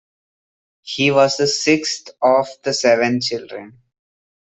He was the sixth of seven children.